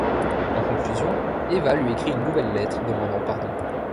En conclusion, Eva lui écrit une nouvelle lettre, demandant pardon.